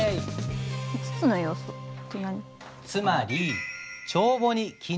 ５つの要素って何？